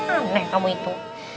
aneh kamu itu